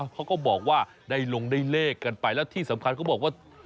เขาก็บอกว่าได้ลงได้เลขกันไปแล้วที่สำคัญเขาบอกว่า